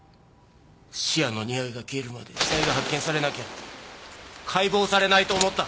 シアンのにおいが消えるまで死体が発見されなければ解剖されないと思った。